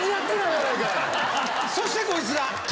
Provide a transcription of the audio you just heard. そしてこいつが。